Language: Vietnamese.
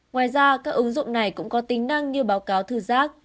ngoài ra các ứng dụng này cũng có tính năng như báo cáo thư giác